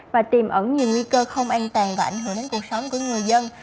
và tiềm ẩn nhiều nguy cơ không an toàn và ảnh hưởng đến cuộc sống của người dân